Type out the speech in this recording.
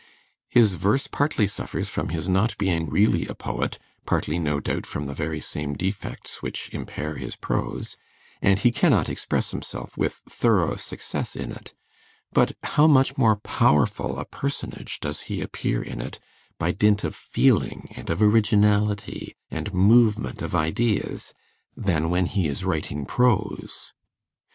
His verse partly suffers from his not being really a poet, partly no doubt from the very same defects which impair his prose, and he cannot express himself with thorough success in it, but how much more powerful a personage does he appear in it, by dint of feeling and of originality and movement of ideas, than when he is writing prose!